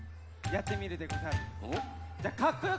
やってみるでござる。